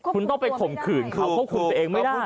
คุณต้องไปข่มขืนเขาควบคุมตัวเองไม่ได้